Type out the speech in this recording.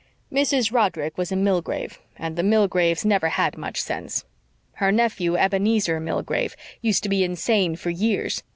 "Mrs. Roderick was a Milgrave, and the Milgraves never had much sense. Her nephew, Ebenezer Milgrave, used to be insane for years.